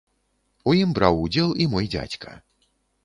У ім браў удзел і мой дзядзька.